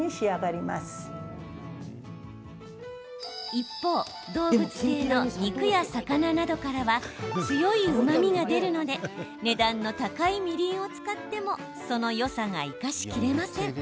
一方、動物性の肉や魚などからは強いうまみが出るので値段の高いみりんを使ってもそのよさが生かしきれません。